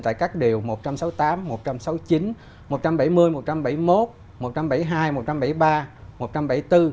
tại các điều một trăm sáu mươi tám